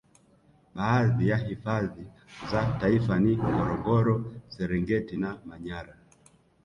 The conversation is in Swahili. Baadhi ya hifadhi za taifa ni Ngorongoro Serengeti na Manyara